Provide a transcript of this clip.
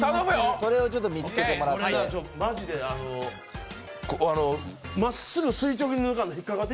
それをちょっと見つけてもらって。